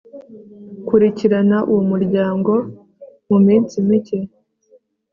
kurikirana uwo muryango mu minsi mike